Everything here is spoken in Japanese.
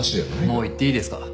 もう行っていいですか？